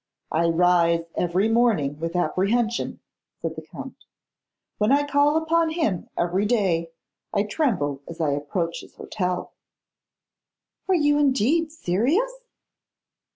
'I rise every morning with apprehension,' said the Count. 'When I call upon him every day, I tremble as I approach his hotel.' 'Are you indeed serious?